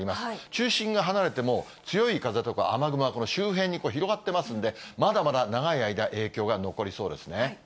中心が離れても、もう強い風とか雨雲はこの周辺に広がっていますので、まだまだ長い間、影響が残りそうですね。